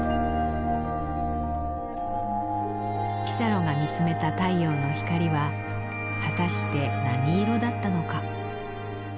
ピサロが見つめた太陽の光は果たして何色だったのか。